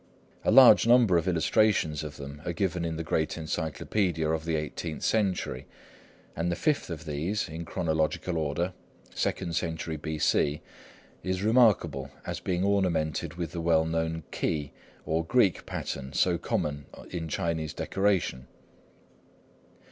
A large number of illustrations of them are given in the great encyclopædia of the eighteenth century, and the fifth of these, in chronological order, second century B.C., is remarkable as being ornamented with the well known "key," or Greek pattern, so common in Chinese decoration.